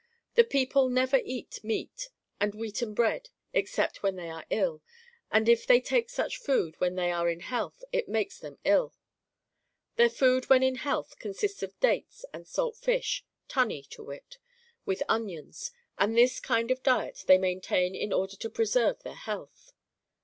The people never eat meat and wheaten bread except when they are ill, and if they take such food when they are in health it makes them ill. Their food when in health consists of dates and I08 MARCO POLO Book I. salt fish (tunny, to wit) and onions, and this kind of diet they maintain in order to preserve their health."